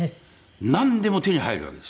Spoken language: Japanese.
なんでも手に入るわけですよ。